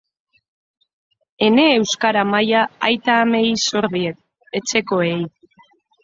Ene euskara maila aita-amei zor diet, etxekoei.